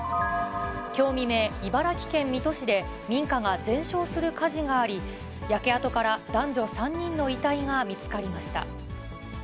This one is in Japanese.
きょう未明、茨城県水戸市で、民家が全焼する火事があり、焼け跡から男女３人の遺体が見つかりました。